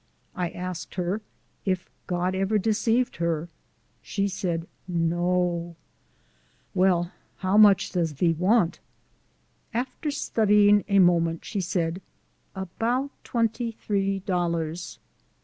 I asked her "if God never deceived her?" She said, " Ts T o !"" Well ! how much does thee want ?" After studying a moment, she said :" About twenty three dollars."